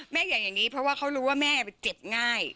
อย่างอย่างนี้เพราะว่าเขารู้ว่าแม่เจ็บง่าย